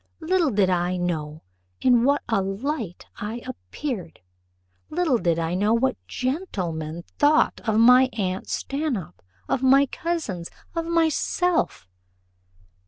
Little did I know in what a light I appeared; little did I know what gentlemen thought of my aunt Stanhope, of my cousins, of myself!"